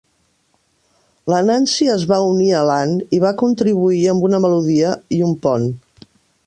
La Nancy es va unir a l'Ann i va contribuir amb una melodia, i un pont